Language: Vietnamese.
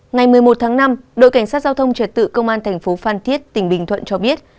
ngày một mươi một tháng năm đội cảnh sát giao thông trật tự công an thành phố phan thiết tỉnh bình thuận cho biết